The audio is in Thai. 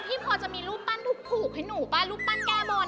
พี่พอจะมีรูปปั้นถูกให้นูเพราะรูปปั้นแก้โบนอ่ะ